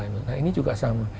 nah ini juga sama